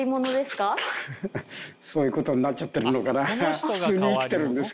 そういうことになっちゃってるのかな。